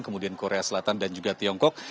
kemudian korea selatan dan juga tiongkok